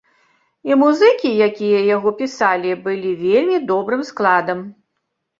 І музыкі, якія яго пісалі, былі вельмі добрым складам.